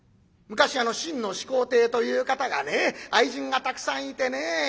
昔あの秦の始皇帝という方がね愛人がたくさんいてねえ。